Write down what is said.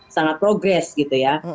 sangat progress gitu ya